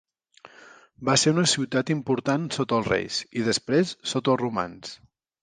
Va ser una ciutat important sota els reis i després sota els romans.